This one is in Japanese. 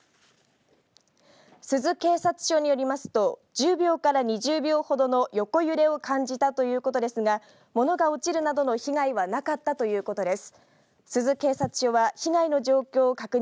珠洲警察署によりますと１０秒から２０秒ほどの横揺れを感じたということですが物が落ちるなどの被害はなかったということです。